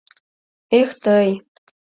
Эх тый!